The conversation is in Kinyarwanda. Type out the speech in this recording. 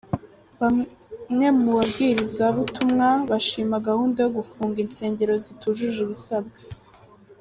Bamwe mu bawiriza butumwa bashima gahunda yo gufunga insengero zitujuje ibisabwa.